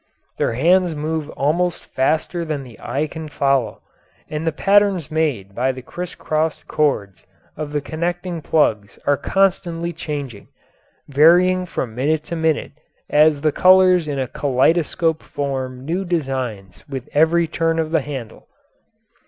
Their hands move almost faster than the eye can follow, and the patterns made by the criss crossed cords of the connecting plugs are constantly changing, varying from minute to minute as the colours in a kaleido scope form new designs with every turn of the handle.